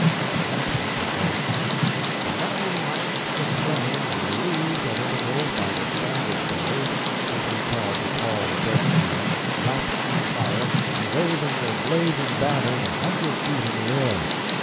At one place he says: "The level ranks of flame were relieved at intervals by the standard bearers, as we called the tall dead trees, wrapped in fire, and waving their blazing banners a hundred feet in the air.